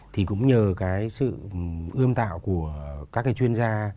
thì cũng nhờ cái sự ươm tạo của các cái chuyên gia